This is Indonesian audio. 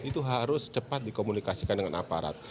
itu harus cepat dikomunikasikan dengan aparat